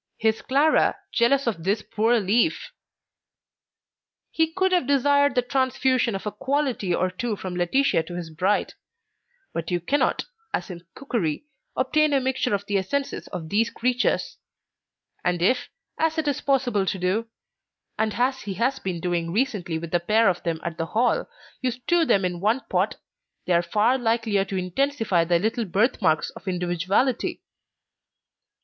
His Clara, jealous of this poor leaf! He could have desired the transfusion of a quality or two from Laetitia to his bride; but you cannot, as in cookery, obtain a mixture of the essences of these creatures; and if, as it is possible to do, and as he had been doing recently with the pair of them at the Hall, you stew them in one pot, you are far likelier to intensify their little birthmarks of individuality.